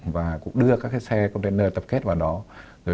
và cũng đưa các xe container tập kết vào đó